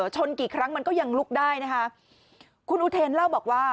ชนกี่ครั้งมันก็ยังลุกได้นะคะคุณอุเทนเล่าบอกว่า